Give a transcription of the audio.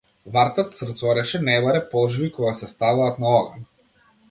Варта црцореше небаре полжави кога се ставаат на оган.